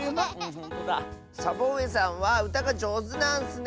サボうえさんはうたがじょうずなんッスね。